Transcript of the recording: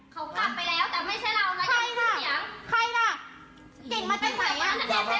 เขากลับไปแล้วแต่ไม่ใช่เราน่ะ